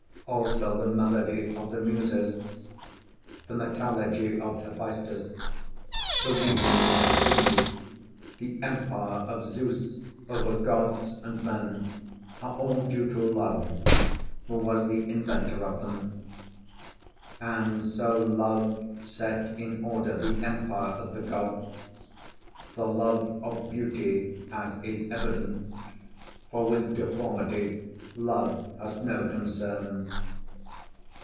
Also the melody of the Muses, the metallurgy of Hephaestus, the weaving of Athene, the empire of Zeus over gods and men, are all due to Love, who was the inventor of them. And so Love set in order the empire of the gods the love of beauty, as is evident, for with deformity Love has no concern.